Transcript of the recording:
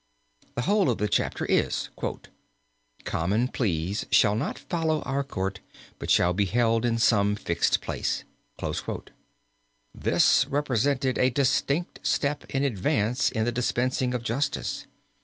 The whole of the chapter is, "Common Pleas shall not follow our Court but shall be held in some fixed place." This represented a distinct step in advance in the dispensing of justice.